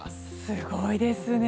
すごいですね。